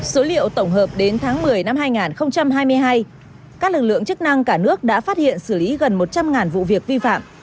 số liệu tổng hợp đến tháng một mươi năm hai nghìn hai mươi hai các lực lượng chức năng cả nước đã phát hiện xử lý gần một trăm linh vụ việc vi phạm